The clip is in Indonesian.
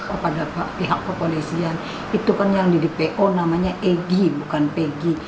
oh pada pihak kepolisian itu kan yang di po namanya egi bukan pegi